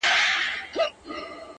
د کجکي د بند برېښنا فعاله.